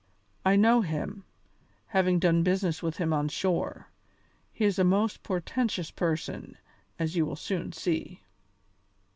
I know him, having done business with him on shore. He is a most portentous person, as you will soon see."